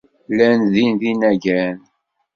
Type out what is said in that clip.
Llan din yinagan.